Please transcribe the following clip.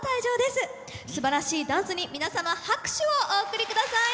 すばらしいダンスに皆様拍手をお送りください！